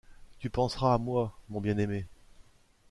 Tu penseras à moi, mon bien-aimé.